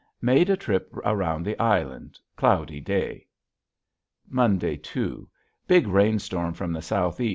Mead a trip around the island. Cloudy Day. M. 2. Big rainstorm from the S. E.